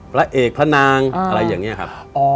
พระเอกพระนางอะไรอย่างนี้ครับ